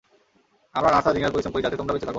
আমরা নার্সরা দিনরাত পরিশ্রম করি যাতে তোমরা বেঁচে থাকো।